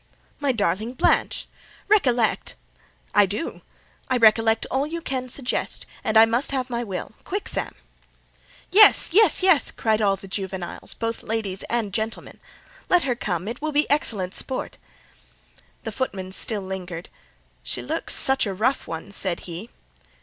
"My darling Blanche! recollect—" "I do—I recollect all you can suggest; and I must have my will—quick, Sam!" "Yes—yes—yes!" cried all the juveniles, both ladies and gentlemen. "Let her come—it will be excellent sport!" The footman still lingered. "She looks such a rough one," said he.